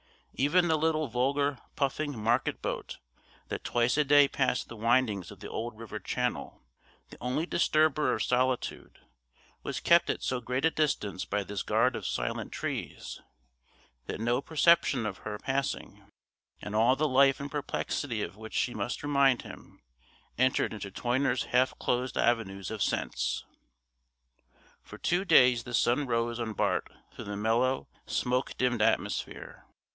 Even the little vulgar puffing market boat that twice a day passed the windings of the old river channel the only disturber of solitude was kept at so great a distance by this guard of silent trees that no perception of her passing, and all the life and perplexity of which she must remind him, entered into Toyner's half closed avenues of sense. For two days the sun rose on Bart through the mellow, smoke dimmed atmosphere.